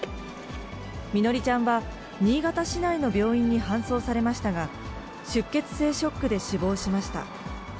みのりちゃんは新潟市内の病院に搬送されましたが、出血性ショックで死亡しました。